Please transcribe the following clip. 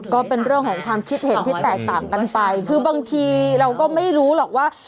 ก็เป็นเรื่องของความคิดเห็นที่แตกต่างกันไปคือบางทีเราก็ไม่รู้หรอกว่า